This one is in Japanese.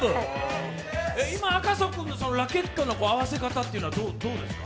今、赤楚君のラケットの合わせ方というのはどうですか？